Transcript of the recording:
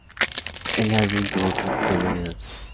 El álbum tuvo críticas variadas.